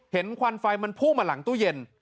ควันไฟมันพุ่งมาหลังตู้เย็น